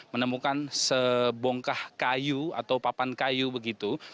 menemukan sebongkah kayu atau papan kayu begitu